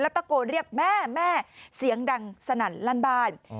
ตะโกนเรียกแม่แม่เสียงดังสนั่นลั่นบ้าน